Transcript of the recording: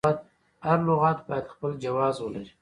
هر لغت باید خپل جواز ولري.